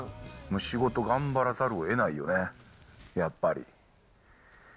仕事頑張らざるをえないよね、やっぱり。